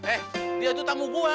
eh dia itu tamu gue